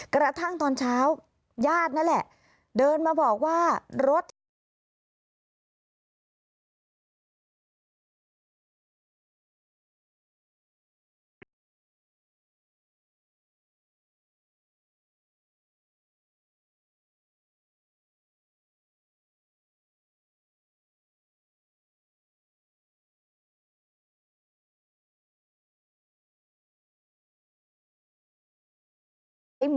กระทั่งตอนเช้าญาตินั่นแหละเดินมาบอกว่ารถที่จอดอยู่